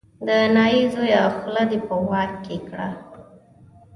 د نايي زویه خوله دې په واک کې کړه.